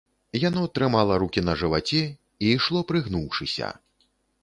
Яно трымала рукі на жываце і ішло прыгнуўшыся.